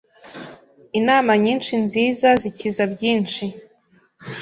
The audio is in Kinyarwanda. Inama nyinshi nziza zikiza byinshi.